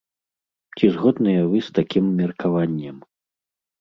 Ці згодныя вы з такім меркаваннем?